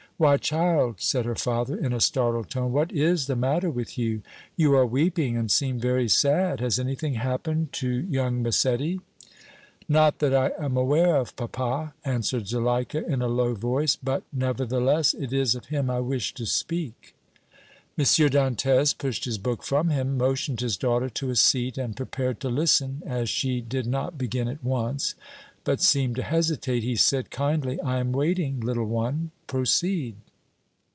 "Why child," said her father, in a startled tone, "what is the matter with you? You are weeping and seem very sad. Has anything happened to young Massetti?" "Not that I am aware of, papa," answered Zuleika, in a low voice. "But, nevertheless, it is of him I wish to speak." M. Dantès pushed his book from him, motioned his daughter to a seat and prepared to listen as she did not begin at once, but seemed to hesitate, he said, kindly: "I am waiting, little one; proceed."